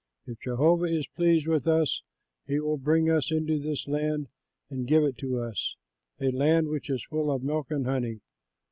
If Jehovah is pleased with us, he will bring us into this land and give it to us, a land which is full of milk and honey.